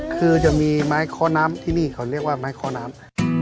คือจะมีไม้ข้อน้ำที่นี่เขาเรียกว่าไม้ข้อน้ำ